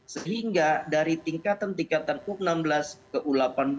sehingga dari tingkatan tingkatan u enam belas ke u delapan belas